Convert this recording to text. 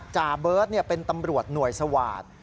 จ่าเบิร์ตเป็นตำรวจหน่วยสวาสตร์